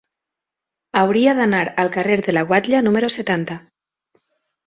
Hauria d'anar al carrer de la Guatlla número setanta.